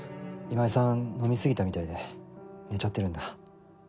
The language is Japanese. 今井さん飲みすぎたみたいで寝ちゃってるんだ。